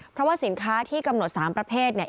เพราะว่าสินค้าที่กำหนด๓ประเภทเนี่ย